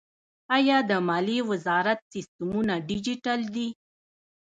آیا د مالیې وزارت سیستمونه ډیجیټل دي؟